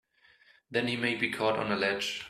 Then he may be caught on a ledge!